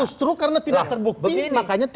justru karena tidak terbukti makanya tidak terjadi